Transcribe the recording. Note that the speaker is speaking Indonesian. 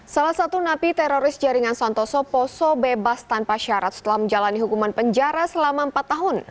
salah satu napi teroris jaringan santoso poso bebas tanpa syarat setelah menjalani hukuman penjara selama empat tahun